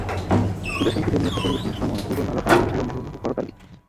খুদে শিল্পীদের নৃত্যে পরিবেশনের সময় পুরো মেলা প্রাঙ্গণে ছিল মুহুর্মুহু করতালি।